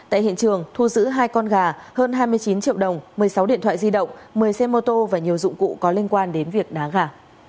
tại hiện trường thu giữ hai con gà hơn hai mươi chín triệu đồng một mươi sáu điện thoại di động một mươi xe mô tô và nhiều dụng cụ có liên quan đến việc đá gà